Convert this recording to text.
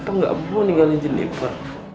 papa gak mau ninggalin jeniper